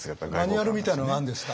マニュアルみたいなのがあるんですか？